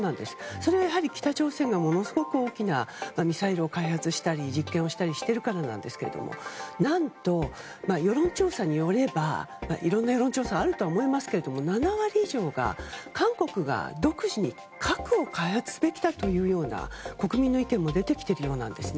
それはやはり北朝鮮がものすごく大きなミサイルを開発したり実験をしているからなんですが何と、世論調査によればいろいろな世論調査があると思いますが７割以上が韓国が独自に核を開発すべきだという国民の意見も出てきているようなんですね。